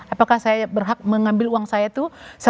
apakah saya berhak mengambil uang saya itu